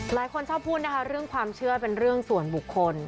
หลายคนชอบพูดนะคะเรื่องความเชื่อเป็นเรื่องส่วนบุคคล